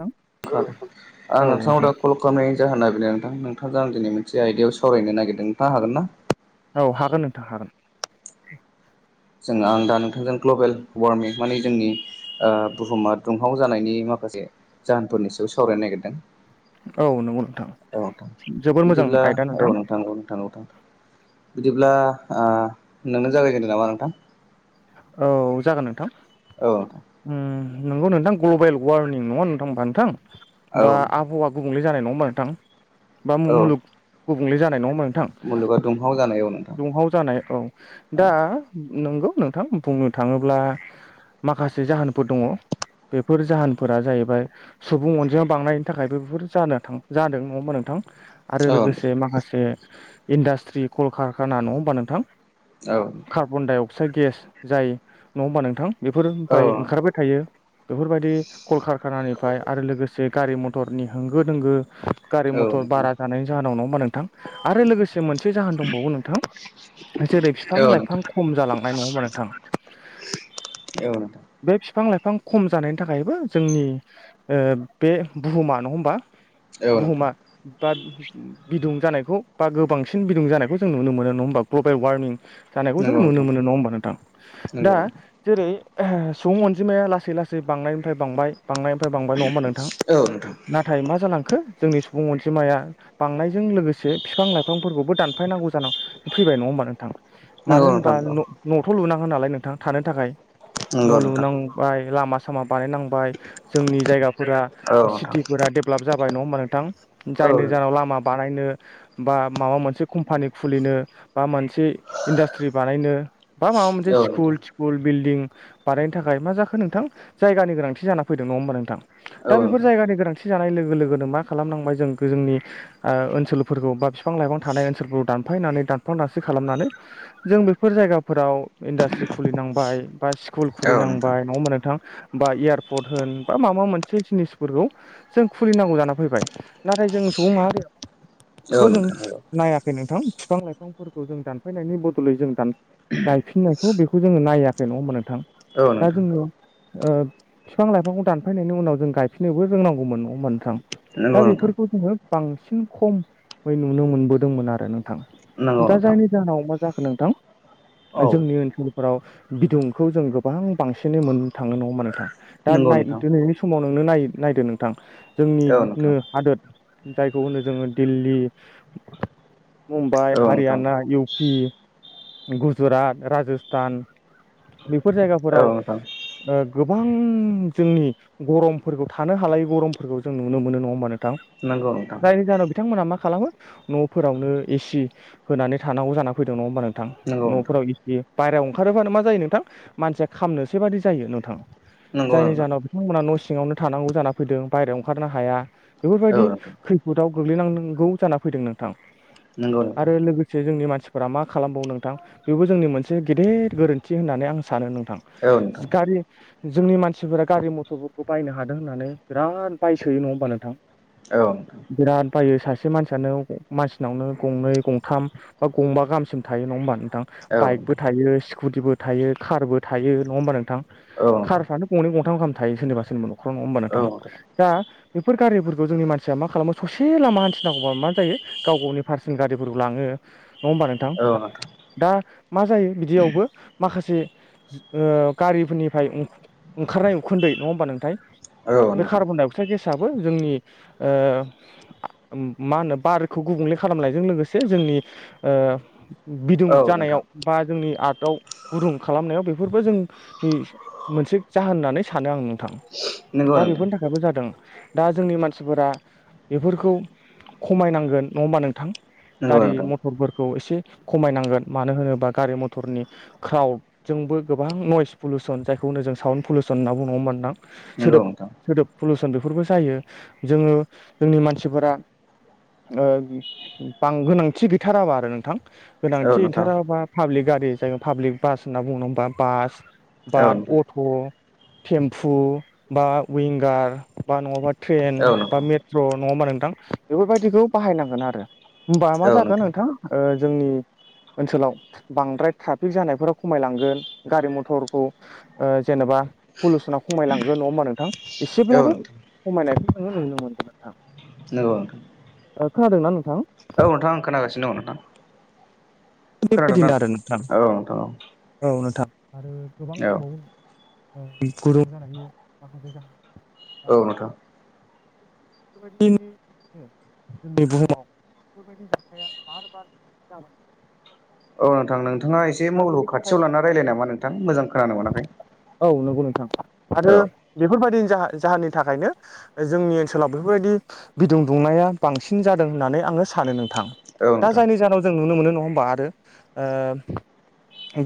नोंथां आं औ नोंथांनाव नोंथां दा कल खालामनायनि जाहोना। नोथां नोंथां जों आं दिनै मोनसे आयदायाव सावरायनो नागिरदों नोंथांजों हागोन ना? औ हागोन नोंथां हागोन जोङो आं दा नोंथांजों ग्लबेल वारमिं मानिे जोंनि बुहुमा दुंहाव जानायनि माखासे जाहोनफोरनि सायाव सावरायनो नागिरदों औ नंगौ नोंथां औ जोबोर मोजां बिदिब्ला आयदा औ नोंथां नोंखौ [unintelligible] बिदिब्ला नोंनो जागायजेनदो नामा नोंथां औ जागोन नोंथां औ उम नंगौ नोंथां ग्लबेल वार्मिं नङा नोंथां बा नोंथां औ बा नोंथां आबहावा गुबुंले जानाय नङा होनबा नोंथां बा औ मुलुग गुबुंले जानाय नङा होन मुलुगा दुंहाव जानाय औ नोंथां दुंहाव जानाय औ औ दा नंगौ नों नोंथां बुंनो थाङोब्ला माखासे जाहोनफोर दङ बेफोर जाहोनफोरा जाहैबाय सुबुं अनजिया बांनायनि थाखायबो बेफोर जानो जादों नङा होनबा नोंथां आरो औ नोंथां लोगोसे माखासे इन्डास्ट्रि कलकारखाना नङा होमबा नोंथां औ फिसा गेस जाय नङा होनबा नोंथां औ बेफोरनिफ्राय ओंखारबाय थायो बेफोरबायदि कलकारखानानिफ्राय आरो लोगोसे गारि मथरनि होंगो दोंगो गारि मथर बारा नोंथां जानायनि जाहोनाव नङा होमबा नोंथां आरो लोगोसे मोनसे जाहोन दंबावो नोंथां जेरै औ बिफां लाइफां खम जालांनाय नङा होमबा नोंथां बे नोंथां बिफां लाइफां खम जानायनि थाखायबो जोंनि ओ बे बुहुमा नङा होमबा औ नोंथां बुहुमा बा बिदुं जानायखौ बा गोबांसिन बिदुं जानायखौ जों नुनो मोनो नङा होमबा ग्ल'बेल वार्मिं जानायखौ जों नंगौ नुनो नोंथां मोनो नङा होमबा नोंथां नंगौ दा नोंथां जेरै सुबुं अनजिमाया लासै लासै बांनायनिफ्राय बांबाय बांनायनिफ्राय बांबाय नङा होनबा नोंथां औ नोंथां नाथाय मा जालांखो जोंनि सुबुं अनजिमाया बांनायजों लोगोसे बिफां लाइफांफोरखौबो दानफायनांगौ जानानै फैबाय नङा होमबा हबा नोंथां मानो नंगौ होनबा नोंथां औ न'थ' लुनांगोन नालाय नोंथां थानो थाखाय नंगौ न' नोंथां लुनांबाय लामा सामा बानायनांबाय जोंनि जायगाफोरा औ नोंथां सिटिफोरा डेभेलप जाबाय नङा हबा नोंथां औ जायनो नोंथां गोजानाव लामा बानायनो बा माबा मोनसे कम्पानि खुलिनो बा मोनसे इन्डास्ट्रि बानायनो बा माबा मोनसे औ नोंथां स्कुल थिकुल बिल्डिं बानायनो थाखाय मा जाखो नोंथां जायगानि गोनांथि जाना फैदों नङा होमबा नोंथां दा औ बेफोर जायगानि गोनांथि जानाय लोगो लोगोनो मा खालामनांबाय जों जोंनि ओनसोलफोरखौ बा फि बिफां लाइफां थानाय ओनसोलफोर दानफायनानै दानफां दानस्रि खालामनानै जों बेफोर जायगाफोराव इन्डास्ट्रि खुलिनांबाय बा स्कुल नोंथां खुलिनांबाय नङा होमबा नोंथां बा एयारपर्ट होन बा माबा मोनसे जिनिसफोरखौ जों खुलिनांगौ जाना फैबाय नाथाय जों सुबुं माहारिया औ बेखौ जों नोंथां नंगौ नायाखै नोंथां बिफां लाइफांफोरखौ जों दानफायनायनि बदलै जों दान गायफिननायखौ बेखौ जोङो नायाखै नङा होमबा नोंथां औ दा नोंथां जोङो ओ बिफां लाइफांखौ दानफायनायनि उनाव जों गायफिननोबो रोंनांगौमोन नङा होमबा नोंथां दा नंगौ नोंथां बेफोरखौ जोङो बांसिन खमै नुनो मोनबोदोंमोन आरो नों थां नंगौ दा नोंथां जायनि जाहोनाव मा जाखो नोंथां औ जोंनि ओनसोलफोराव बिदुंखौ जों गोबां बांसिनै मोननो थाङो नङा मा नोंथां दा नंगौ नोंथां दिनैनि समावनो नोनाय नायदो नोंथां औ जोंनिनो नोंथां हादोर जायखौ होनो जोङो दिल्ली मुम्बाइ औ नोंथां हारियाना इउ पि गु गुजरात राजस्थान बेफोर औ जायगाफोराव नोंथां गोबां जोंनि गरमफोरखौ थानो हालायै गरमफोरखौ जों नुनो मोनो नङा होमबा‌ नों थां नंगौ नोंथां जायनि जाहोनाव बिथांमोना मा खालामो न'फोरावनो एसि होनानै थानांगौ जाना फैदों नङा होमबा नोंथां नंगौ नोंथां न'फोराव इसे बायह्रायाव ओंखारोब्लानो मा जायो नोंथां मानसिया खामनोसै बादि जायो नोंथाङा नंगौ जायनि नोंथां जाहोनाव बिथांमोना न' सिङावनो थानांगौ जाना फैदों बायह्रायाव ओंखारनो हाया औ बेफोरबायदि नोंथां खैफोदाव गोग्लैनांगौ जाना फैदों नोंथां नंगौ नोंथां आरो लोगोसे जोंनि मानसिफोरा मा खालामबावो नों थां बेबो जोंनि मोनसे गेदेर गोरोन्थि होननानै आं सानो नोंथां औ नोंथां गारि जोंनि मानसिफोरा गारि मथरफोरखौ बायनो हादों होननानै बिराद बायसोयो नङा होमबा नोंथां औ नोंथां बिराद बायो सासे सासे मानसियानो मानसिनावनो गंनै गंथाम बा गंबा गाहामसिम थायो नङा होमबा नोंथां औ बाइकबो नोंथां थायो स्कुटिबो थायो कारबो थायो नङा होमबा नोंथां औ नोंथां औ नोंथां कारफ्रानो गंनै गंथामाम थायो सोरनिबा सोरनिबा न'खराव नङा होमबानोा औ थाङा नोंथां दा बेफोर गारिफोरखौ जोंनि मानसिया मा खालामो ससे लामा हान्थिनांगौबा मा जायो गाव गावनि पार्सनेल गारिफोरखौ लाङो नङा होमबा नोंथां औ दा मा जायो बिदियावबो माखासे गारिफोरनिफ्राय ओंखारनाय उखुदै नङा होमबा नोंथाय बे नोंथां कार्डनडाइ अक्षाइद गेस सबो जोंनि मा होनो बारखौ गुबुंले खालामनायजों लोगोसे जों जोंनि बिदुं औ नोंथां जानायाव बा जोंनि आर्ट दाउ गुदुं खालामनायाव बेफोरबो जोंनि मोनसे जाहोन होननानै सानो आं नोंथां नंगौ दा नोंथां बेफोरनि थाखायबो जादों दा जोंनि मानसिफोरा बेफोरखौ खमायनांगोन नङा होमबा नोंथां नंगौ गारि नोंथां मथरफोरखौ एसे खमायनांगोन मानो होनोबा गारि मथरनि क्राउदजोंबो गोबां नयस पलुसन जायखौनो जों साउन्ड पलुसन होनना ब बुंङां नंगौ सोदोब नोंथां सोदोब पलुसन फोरबो जायो जोङो जोंनि मानसिफोरा बां गोनांथि गैथाराबा आरो नोंथां औ थि नोंथां ओंथाराबा पाब्लिक गारि जों पाब्लिक बास होनना बुङो नङा होमबा बास बा औ नोंथां अट थेमफु बा विंगार बा नङाबा ट्रेन औ बा नोंथां मेट्र नङा होमबा नोंथां बेफोरबायदिखौ बाहायनांगोन आरो होमबा मा जाखोन नोंथां जोंनि ओनसोलाव बांद्राय ट्राफिक जानायफोरा खमायलांगोन गारि मथरखौ जेनेबा पलुसनााव खमायलांगोन नङा होमबा नोंथां औ एसेब्लाबो नोंथां खमायनायखौ जोङो नुनो मोनगोन नोंथां नंगौ खोनादोंना नोंथां औ नोंथां आं खोनागासिनो दङ नोंथां खोनादोंना बेबायदिनो आरो नोंथां औ नोंथां औ औ नोंथां आरो गोबां औ दंबावो गुदुं जानायनि माखासे जाहोन दा औ नोंथां बेफोरबायदिनो जै बुहुमाव बेफोरबायदि जाथाय बार बार जाबाय औ नोंथां नोंथाङा एसे दा मलखौ बेनि थाखाय खाथियाव लानानानै रायलाय नामा नोंथां मोजां खोनानो मोनाखै [unintelligible] आरो औ बेफोरबायदि जाहोननि थाखायनो जोंनि ओनसोलाव बेफोरबायदि बिदुं दुंनाया बांसिन जादों होननानै आङो सानो नोंथां औ दा नोंथां जायनि जाहोनाव जों नुनो मोनो नङा होमबा आरो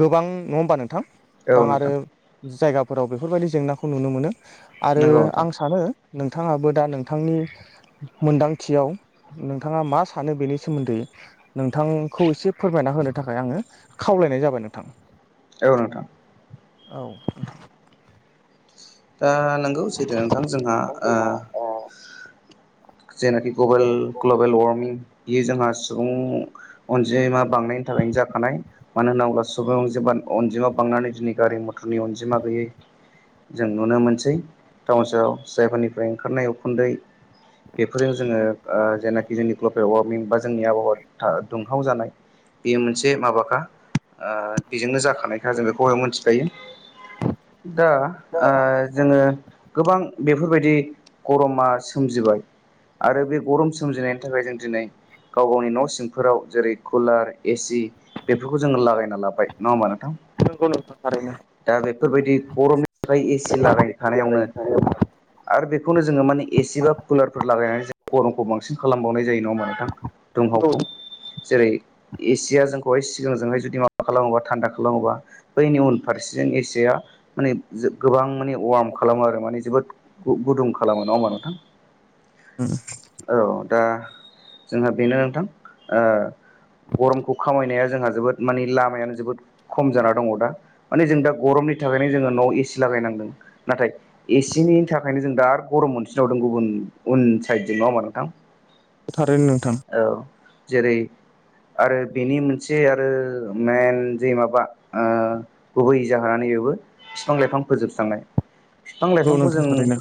गोबां नङा होमबा नोंथां औ गोबां आरो नोंथां जायगाफोराव बेफोरबायदि जेंनाखौ नुनो मोनो आरो नंगौ नोंथां आं सानो नोंथाङाबो दा नोंथांनि मोनदांथियाव नोंथाङा मा सानो बेनि सोमोन्दै नोंथांखौ एसे फोरमायना होनो थाखाय आङो खावलायनाय जाबाय नोंथां औ नोंथां। औ। दा नोंगौ सैथो नोंथां जोंहा। जेनाखि ग्लबेल ग्लबेल वारमिं बेयो जोंहा सुबुं अनजिमा बांनायनि थाखायनो जाखानाय मानो होनना बुङोब्ला सुबुं अनजिमा। अनजिमा बांनानै दिनै गारि मथरनि अनजिमा गैयै जों नुनो मोनसै टाउन सहाव जायफोरनिफ्राय ओंखारनाय उखुन्दै बेफोरजों जोङो ओ जेनाखि जोंनि ग्लपेल वा मिं बा जोंनि आबहावा था दुंहाव जानाय बेयो मोनसे माबाखा। ओ बेजोंनो जाखानायखा जों बेखौ मोनथिखायो। दा ओ जोङो गोबां बेफोर बायदि गरमा सोमजिबाय आरो बे गरम सोमजिनायनि थाखाय जों दिनै गाव गावनि न' सिंफोराव जेरै कुलार एसि बेफोरखौ जोङो लागायना लाबाय नङा होमबा नो नंगौ नो दा बेफोर बायदि गरमनि थाखाय एसि लागायनो थानायावनो। आरो बेखौनो जोङो माने एसि बा कुलार बायनानै गरमखौ जों बांसिन खालामबावनाय जायो नङा होमबा नोंथां दुंहावखौ जेरै एसिया जोंखौहाय सिगांजोंहाय जुदि माबा खालामोबा थान्दा खालामोबा बैनि उनफारसेजों एसिया माने जो गोबां माने वार्म खालामो आरो माने जोबोद गु-गुदुं खालामो नङा हबा नोंथां? [inaudible] औ दा जोंहा बेनो नोंथां ओ गरमखौ खामायनाया जोंहा जोबोद माने लामायानो जोबोद खम जाना दङ' दा माने जों दा गरमनि थाखायनो जोङो न'वाव एसि ला गायनांदों नाथाय एसेनि थाखायनो जों दा आरो गरम मोनफिनबावदों गुबुन उन साइदजों नङा होमबा नोंथां। थारैनो नोंथां औ जेरै आरो बेनि मोनसे आरो मेन जे माबा ओ गुबै जाहोननो नैबेवबो फिफां लाइफां फोजोबस्रांनाय बिफां नंगौ लाइफांखौ नोंथां जों थारैनो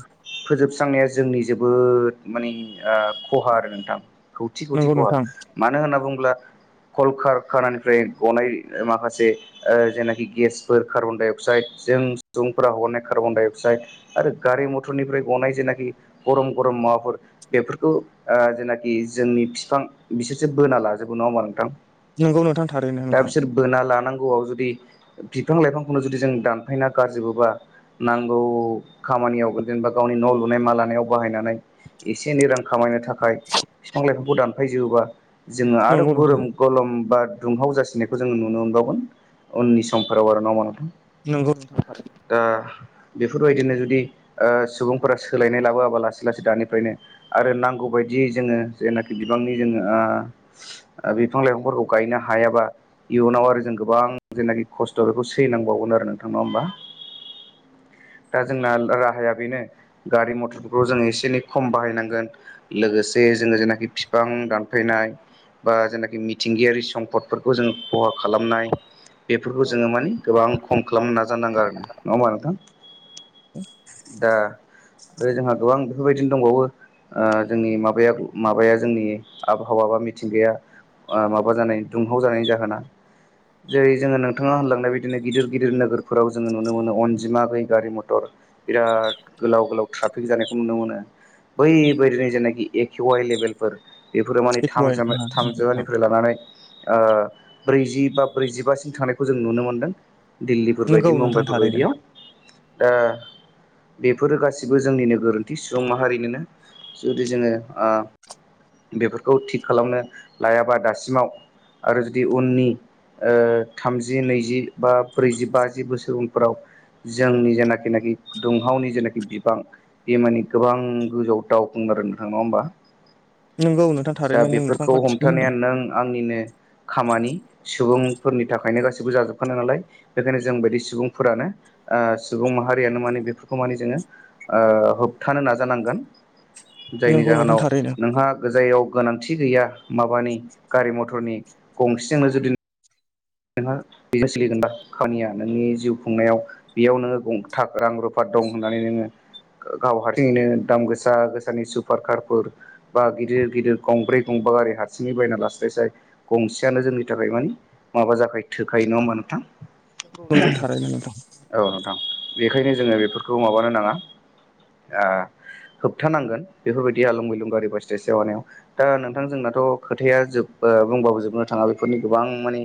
फोजोबस्रांनाया जोंनि जोबो बोद माने ओ खहा आरो नोंथां खौथि खौथि नंगौ खहा नोंथां मानो होनना बुङोब्ला कल-कारखानानिफ्राय गनाय माखासे ओ जेनाखि गेसफोर कार्बन-डाइ-अक्साइद जों सुबुंफोरा हगारनाय कार्बन-डाइ-अक्साइद आरो गारि मथरनिफ्राय गनाय जेनाखि गरम गरम माबाफोर बेफोरखौ ओ जेनाखि जोंनि फिफां बिसोरसो बोना लाजोबो नङा होमबा नोंथां? नंगौ नोंथां थारैनो दा नोंथां बिसोर बोना लानांगौआव जुदि बिफां लाइफांखौनो जुदि जों दानफायना गारजोबोबा नांगौ खामानियाव जेनेबा गावनि न' लुनाय मा लानायाव बाहायनानै एसे एनै रां खामायनो थाखाय बिफां लाइफांखौ दानफायजोबा जोङो आरो नंगौ नोंथां गरम खलम बा दुंहाव जासिनायखौ जोङो नुनो मोनबावगोन उननि समफोराव आरो नङा होमा नोंथां। नंगौ [unintelligible] आरो बेफोर बायदिनो जुदि सुबुंफोरा सोलायनाय लाबोया बा लासै लासै दानिफ्रायनो आरो नांगौ बायदियै जोङो जेनाखि बिबांनि जोङो ओ। ओ बिफां लाइफांफोरखौ गायनो हायाबा इयुनाव आरो जों गोबां जेनाखि खस्थ' बेखौ सैनांबावगोन आरो नोंथां नवा होमबा। [inaudible] दा जोंना ला-राहाया बेनो गारि मथर खौ जोङो एसे एनै खम बाहायनांगोन लोगोसे जोङो जेनाखि फिफां दानफायनाय बा जेनाखि मिथिंगायारि सम्पदफोरखौ जों खहा खालामनाय बेफोरखौ औ जोङो मोन गोबां खम खालामनो नाजानांगोन आरो नङा होमबा नोंथां? दा ओ जोंहा फां बेफोर बायदिनो दंबावो ओ जोंनि माबाया माबाया जोंनि आबहावा बा मिथिंगाया ओ माबा जानाय दुंहाव जानायनि जाहोना जेरै जोङो नोंथाङा होनलांनाय बिदिनो गिदिर गिदिर नोगोरफोराव जोङो नुनो मोनो अनजिमा गै गारि मथर बिराद गोलाव गोलाव ट्राफिक जानाय नुनो मोनो बैबायदिनो जेनाखि एकेवाइ लेभेलफोर बेफोरो माने एखौहाय थामजोमै नोंथां थामजिमानिफ्राय लानानै ब्रैजि बा ब्रैजिबासिम थांनायखौ जों नुनो मोनदों दिल्लीफोर नोंगौ बायदि नोंथां मुम्बाइफोर थारैनो बायदियाव दा बेफोरो गासिबो जोंनि गोरोनथि सुबुं माहारिनोनो जुदि जोङो बेफोरखौ थिग खालामनो लायाबा दासिमाव आरो जुदि उननि थामजि नैजि बा ब्रैजि बाजि बोसोर उनफोराव जोंनि जेनाखिनाखि दुंहावनि जेनाखि बिबां बे माने गोबां गोजौ दावखुंगारो नोंथां नङा होमबा नोंगौ नोंथां दा थारैनो नोंथां बेफोरखौ गासिखौनो हमथानाया होनदों नों आंनिनो खामानि सुबुंफोरनि थाखायनो गासिबो जाजोबखानाय नालाय बेखायनो जोंबायदि सुबुंफोरानो सुबुं माहारि बेफोरखौ माने जोङो होबथानो नाजानांगोन जायनि नोंगौ नोंथां जाहोनाव थारैनो नोंहा गोजायाव गोनांथि गैया माबानि गारि मथरनि गंसेजोंनो जुदि नोंहा बेजों सोलिगोन दा खामानिया नोंनि जिउ खुंनायाव बेयाव नोङो गंथ रां रुफा दं होननानै नोङो गाव हारसिङैनो दाम गोसा गोसानि सुपार कारफोर बा गिदिर गिदिर गंब्रै गंब्र बा गारि हारसिङै बायना लास्लायसाय गंसेयानो जोंनि थाखाय मानिे माबा जाखायो थोखायो नङा होमबा नोंथां नंगौ थारैनो नोंथां औ नोंथां बेखायनो जोङो बेफोरखौ माबानो नाङा होबथानांगोन बेफोरबायदि आलुं गलुं गारि बासटे जवानायाव दा नोंथांजोंनाथ' खोथाया जोब बुंबाबो जोबनो थाङा बेफोरनि गोबां माने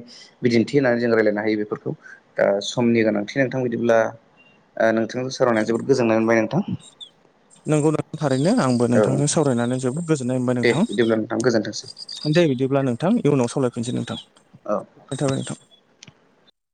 बिदिन्थि होननानै जों रायजलायनो हायो बेफोरखौ दा समनि गोनांथि नोंथां बिदिब्ला नोंथांजों सावरायनाया जोबोद गोजोननाय मोनबाय नोंथां नंगौ नोंथां थारैनो आंबो औ नोंथांजों नोंथां सावरायनानै जोबोद गोजोननाय मोनबाय दे बिदिब्ला गोजोनथोंसै नोंथां दे बिदिब्ला नोंथां इयुनाव सावलरायफिनसै नोंथां औ गोजोननाय थाबाय नोंथां